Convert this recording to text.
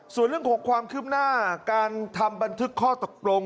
ส่วนเรื่องของความคืบหน้าการทำบันทึกข้อตกลง